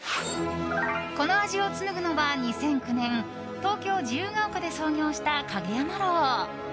この味を紡ぐのは２００９年東京・自由が丘で創業した蔭山樓。